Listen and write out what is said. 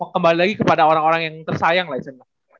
kembali lagi kepada orang orang yang tersayang lah vincent